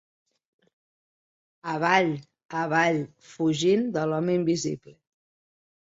Avall, avall, fugint de l'home invisible.